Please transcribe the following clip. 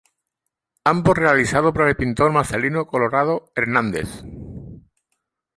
Ambos realizados por el Pintor Marcelino Colorado Hernández.